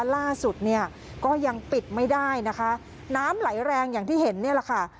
ล่าสุดเนี่ยก็ยังปิดไม่ได้นะคะน้ำไหลแรงอย่างที่เห็นเนี่ยแหละค่ะ